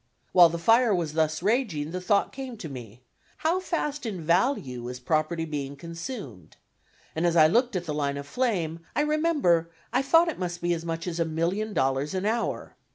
While the fire was thus raging, the thought came to me, How fast in value is property being consumed? and as I looked at the line of flame, I remember I thought it must be as much as a million dollars an hour.